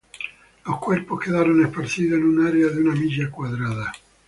Los cuerpos quedaron esparcidos en un área de una milla cuadrada.